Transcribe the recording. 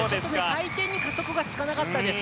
回転に加速がつかなかったです。